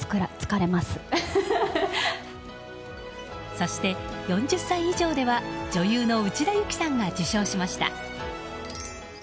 そして、４０歳以上では女優の内田有紀さんが受賞しました。